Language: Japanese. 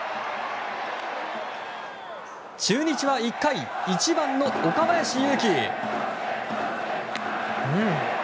中日は１回、１番の岡林勇希。